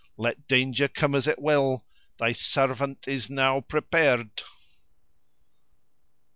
Let danger come as it will, thy servant is now prepared!"